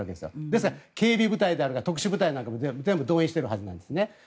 ですから警備部隊とか特殊部隊なんかも全部投入してるはずなんです。